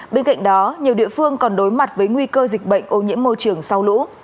bên cạnh đó nhiều địa phương còn đối mặt với nguy cơ dịch bệnh ô nhiễm môi trường sau lũ